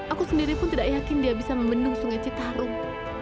aku sendiri pun tidak yakin dia bisa membendung sungai citarum